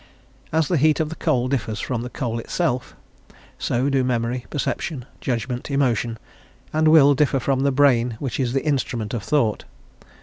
As the heat of the coal differs from the coal itself, so do memory, perception, judgment, emotion, and will, differ from the brain which is the instrument of thought.